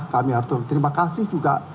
kami harus berterima kasih juga